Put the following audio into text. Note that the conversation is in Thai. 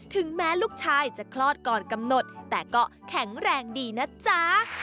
ถึงแม้ลูกชายจะคลอดก่อนกำหนดแต่ก็แข็งแรงดีนะจ๊ะ